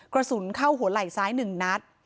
กระสุนเข้าหัวไหล่ซ้าย๑นัด